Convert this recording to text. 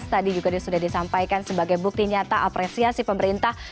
tadi juga sudah disampaikan sebagai bukti nyata apresiasi pemerintah